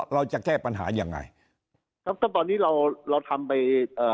เราจะแก้ปัญหายังไงครับก็ตอนนี้เราเราทำไปเอ่อ